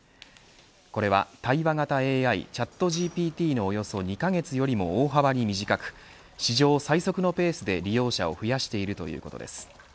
これは、対話型ＡＩチャットＧＰＴのおよそ２カ月よりも大幅に短く史上最速のペースで利用者を増やしているということです。